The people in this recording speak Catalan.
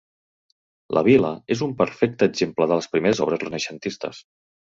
La vil·la és un perfecte exemple de les primeres obres renaixentistes.